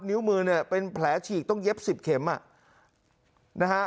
นิ้วมือเนี่ยเป็นแผลฉีกต้องเย็บสิบเข็มอ่ะนะฮะ